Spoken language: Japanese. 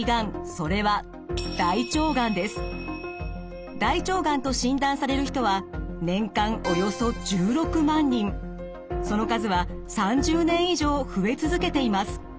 それは大腸がんと診断される人はその数は３０年以上増え続けています。